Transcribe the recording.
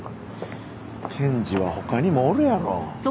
検事は他にもおるやろ。